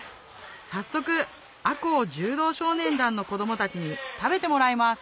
早速赤穂柔道少年団の子供たちに食べてもらいます・